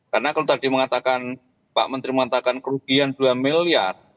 karena kalau tadi mengatakan pak menteri mengatakan kerugian dua miliar